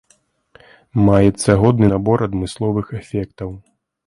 Маецца годны набор адмысловых эфектаў.